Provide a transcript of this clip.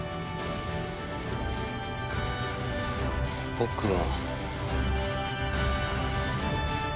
僕は。